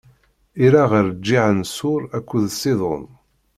Irra ɣer lǧiha n Ṣur akked Ṣidun.